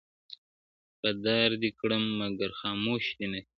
• په دار دي کړم مګر خاموش دي نکړم..